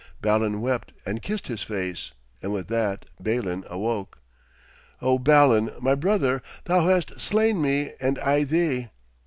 Balan wept and kissed his face, and with that Balin awoke. 'O Balan, my brother, thou hast slain me and I thee!'